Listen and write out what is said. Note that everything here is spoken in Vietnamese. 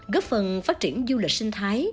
góp phần phát triển du lịch sinh thái